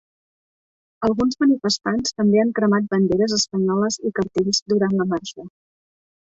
Alguns manifestants també han cremat banderes espanyoles i cartells durant la marxa.